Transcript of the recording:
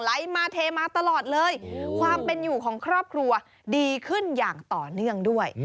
มาเทมาตลอดเลยความเป็นอยู่ของครอบครัวดีขึ้นอย่างต่อเนื่องด้วย